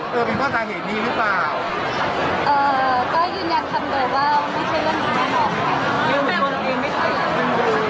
เพราะว่าเออเรื่องนี้เราที่แข่งเหมือนกันเรามีคุณภาพกับเมือง